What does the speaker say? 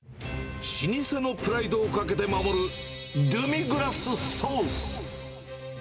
老舗のプライドをかけて守る、ドゥミグラスソース。